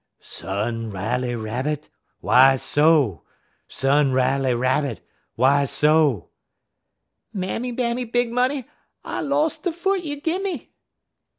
"'Son Riley Rabbit, why so? Son Riley Rabbit, why so?' "'Mammy Bammy Big Money, I los' de foot you gim me.'